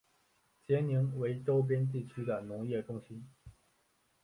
杰宁为周边地区的农业中心。